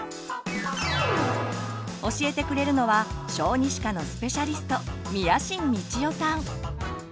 教えてくれるのは小児歯科のスペシャリスト